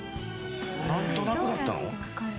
なんとなくだったの？